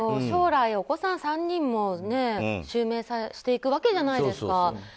将来、お子さん３人も襲名していくわけじゃないですか。